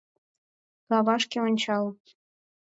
Кавашке ончал.